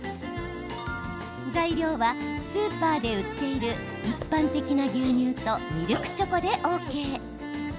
材料は、スーパーで売っている一般的な牛乳とミルクチョコでＯＫ。